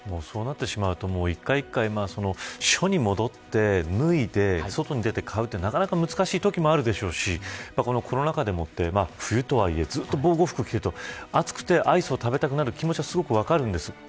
そうなってしまうと１回１回署に戻って脱いで外に出て買うというのは、なかなか難しいときもあるでしょうしこのコロナ禍でもって冬とはいえずっと防護服を着ていると暑くてアイスを食べたくなる気持ちは、すごく分かるんです。